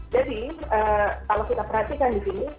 jadi kalau kita perhatikan di sini